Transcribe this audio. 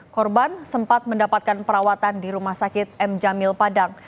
korban sempat mendapatkan perawatan di rumah sakit m jamil padang